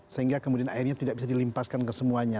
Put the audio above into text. sehingga kemudian airnya tidak bisa dilimpaskan ke semuanya